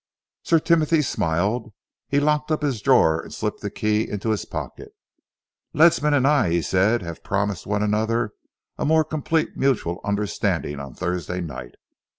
Sir Timothy smiled. He locked up his drawer and slipped the key into his pocket. "Ledsam and I," he said, "have promised one another a more complete mutual understanding on Thursday night.